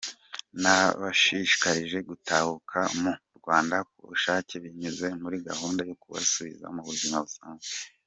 Nabashishikarije gutahuka mu Rwanda kubushake binyuze muri gahunda yo kubasubiza mu buzima busanzwe.